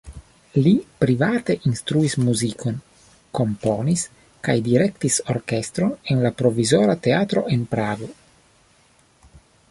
Li private instruis muzikon, komponis kaj direktis orkestron en la Provizora Teatro en Prago.